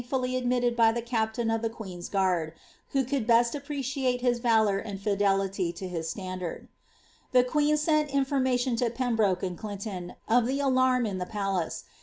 999 fully admitted by the captain of the qaeen^s guard, who could best appreciate his valour and fidelity to his standard. The queen sent information to Pembroke and Clinton of the alarm in the palace.